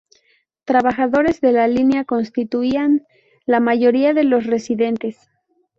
Trabajadores de la línea constituían la mayoría de los residentes.